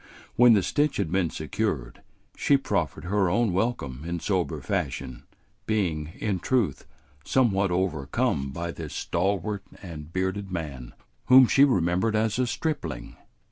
When the stitch had been secured, she proffered her own welcome in sober fashion, being, in truth, somewhat overcome by this stalwart and bearded man whom she remembered as a stripling.